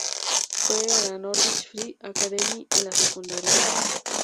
Fue a la Norwich Free Academy en la secundaria.